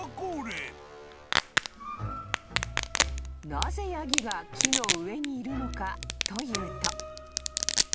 ［なぜヤギが木の上にいるのかというと］